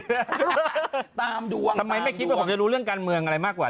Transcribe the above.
ตามดวงทำไมไม่คิดว่าผมจะรู้เรื่องการเมืองอะไรมากกว่า